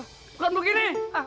bukain gue gini